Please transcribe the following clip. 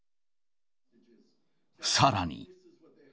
さらに。